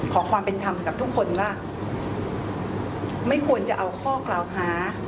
ขอความเป็นธรรมกับทุกคนว่าไม่ควรจะเอาข้อกล่าวหา